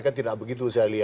kan tidak begitu pak gazali